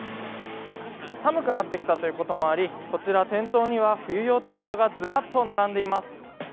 寒くなってきたということもあり、こちら、店頭には冬用タイヤがずらっと並んでいます。